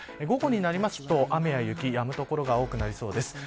午後になると雨や雪やむ所が多くなりそうです。